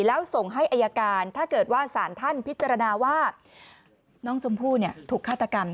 แล้วส่งให้อายการถ้าเกิดว่าสารท่านพิจารณาว่าน้องชมพู่ถูกฆาตกรรม